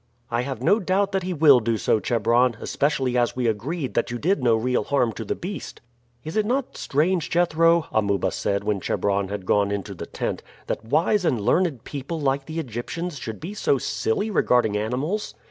"I have no doubt that he will do so, Chebron, especially as we agreed that you did no real harm to the beast." "Is it not strange, Jethro," Amuba said when Chebron had gone into the tent, "that wise and learned people like the Egyptians should be so silly regarding animals?"